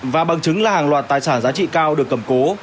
và bằng chứng là hàng loạt tài sản giá trị cao được cầm cố